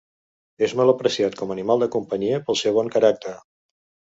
És molt apreciat com animal de companyia pel seu bon caràcter.